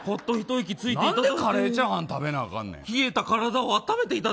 なんでカレーチャーハン食べなあかんねん。